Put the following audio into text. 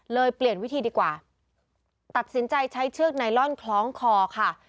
เปลี่ยนวิธีดีกว่าตัดสินใจใช้เชือกไนลอนคล้องคอค่ะ